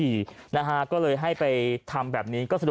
ไม่แน่ใจว่าใช้ได้หรือเปล่า